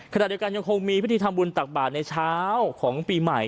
ขณะเดียวกันยังคงมีพิธีทำบุญตักบาทในเช้าของปีใหม่